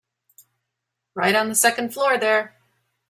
Right on the second floor there.